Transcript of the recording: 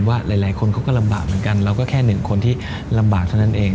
ว่าหลายคนเขาก็ลำบากเหมือนกันเราก็แค่หนึ่งคนที่ลำบากเท่านั้นเอง